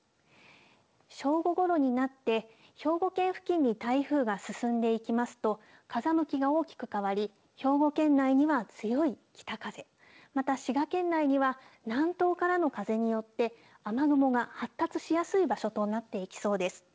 正午ごろになって兵庫県付近に台風が進んでいきますと風向きが大きく変わり兵庫県内には強い北風、また滋賀県内には南東からの風によって雨雲が発達しやすい場所となっていきそうです。